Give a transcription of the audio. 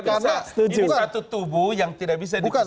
ini satu tubuh yang tidak bisa dipisahkan